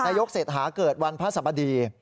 ยกเศรษฐาเกิดวันพระสบดี